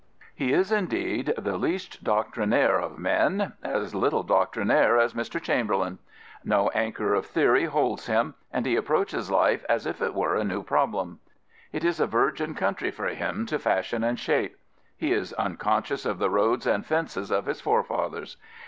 He is, indeed, the least doctrinaire of men — as little doctrinaire as Mr. Chamberlain. No anchor of theory holds him, and he approaches life as if it were a new problem. It is a virgin country for him to fashion and shape. He is unconscious of the roads and fences of his forefathers.